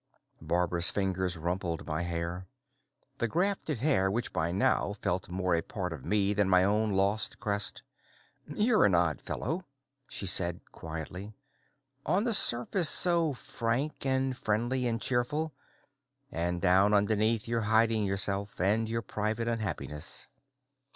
_ Barbara's fingers rumpled my hair, the grafted hair which by now felt more a part of me than my own lost crest. "You're an odd fellow," she said quietly. "On the surface so frank and friendly and cheerful, and down underneath you're hiding yourself and your private unhappiness."